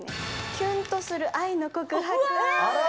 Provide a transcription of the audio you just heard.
キュンとする愛の告白。